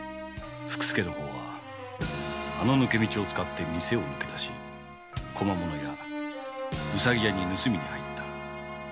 福助の方はあの抜け道を使って店を抜け出し小間物屋・うさぎやに盗みに入った。